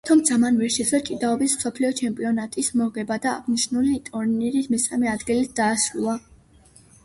თუმცა მან ვერ შეძლო ჭიდაობის მსოფლიო ჩემპიონატის მოგება და აღნიშნული ტურნირი მესამე ადგილით დაასრულა.